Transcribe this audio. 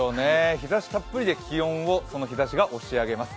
日ざしたっぷりで気温をその日ざしが押し上げます。